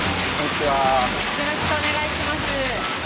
よろしくお願いします。